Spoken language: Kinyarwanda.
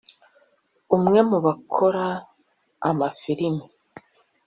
umwe mu bakora amafilimi